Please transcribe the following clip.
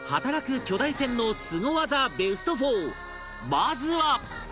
まずは